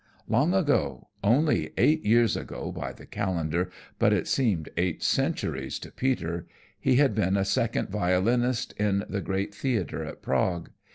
Long ago, only eight years ago by the calendar, but it seemed eight centuries to Peter, he had been a second violinist in the great theatre at Prague.